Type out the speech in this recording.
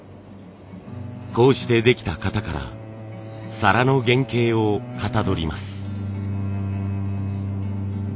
こうしてできた型から皿の原型をかたどります。